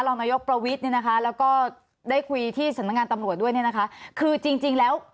รองนายกประวิทย์เนี่ยนะคะแล้วก็ได้คุยที่สำนักงานตำรวจด้วยเนี่ยนะคะคือจริงจริงแล้ว